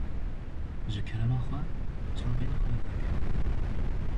Ji kerema xwe, çavên xwe veke.